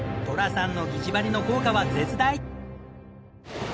寅さんの擬餌針の効果は絶大！